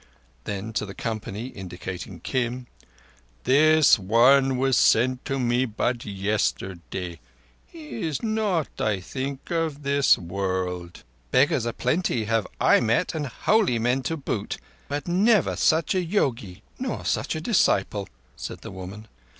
Then to the company, indicating Kim: "This one was sent to me but yesterday. He is not, I think, of this world." "Beggars aplenty have I met, and holy men to boot, but never such a yogi nor such a disciple," said the woman.